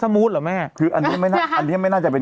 มูธเหรอแม่คืออันนี้ไม่น่าอันนี้ไม่น่าจะเป็น